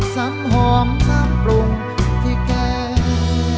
ซ้ำห่อมข้ามปรุงที่แก้มหนุงคลา